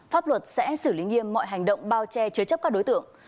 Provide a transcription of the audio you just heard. pháp luật sẽ xử lý nghiêm mọi hành động bao che chứa chấp các đối tượng